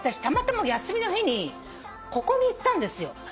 たまたま休みの日にここに行ったんですよ。